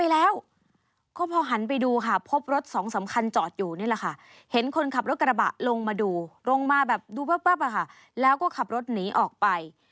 ลงมาดูลงมาแบบดูปั๊บค่ะแล้วก็ขับรถหนีออกไป